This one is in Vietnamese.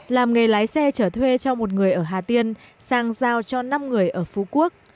làm nghề lái xe chở thuê cho một người ở hà tiên sang giao cho năm người ở phú quốc